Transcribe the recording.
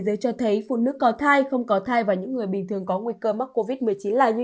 giới cho thấy phụ nữ có thai không có thai và những người bình thường có nguy cơ mắc covid một mươi chín là như